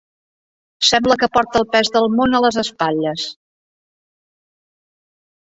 Sembla que porta el pes del món a les espatlles.